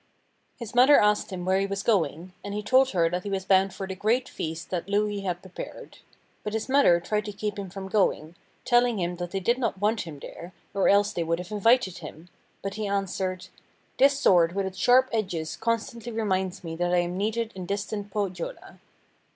His mother asked him where he was going and he told her that he was bound for the great feast that Louhi had prepared. But his mother tried to keep him from going, telling him that they did not want him there, or else they would have invited him, but he answered: 'This sword with its sharp edges constantly reminds me that I am needed in distant Pohjola.'